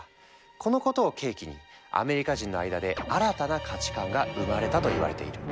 このことを契機にアメリカ人の間で新たな価値観が生まれたといわれている。